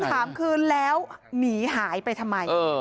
ท้ายธรรมคือแล้วหนีหายไปทำไม